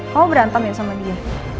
kamu berantem ya sama dia